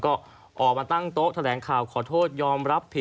ก็ออกมาตั้งโต๊ะแถลงข่าวขอโทษยอมรับผิด